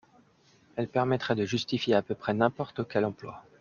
Elle permettrait de justifier à peu près n’importe quel emploi.